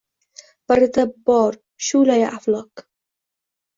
Birida bor shu’lai aflok.